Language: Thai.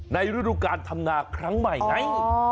ฤดูการทำนาครั้งใหม่ไง